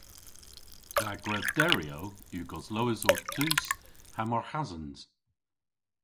Dha grevderyow yw goslowes orth tus ha marghasans.